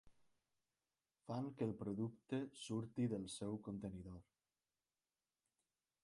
Fan que el producte surti del seu contenidor.